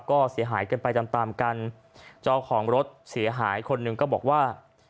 ก็เสียหายกันไปตามตามกันเจ้าของรถเสียหายคนหนึ่งก็บอกว่า